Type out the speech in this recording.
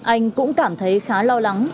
anh cũng cảm thấy khá lo lắng